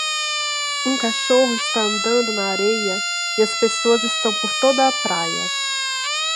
Um cachorro está andando na areia e as pessoas estão por toda a praia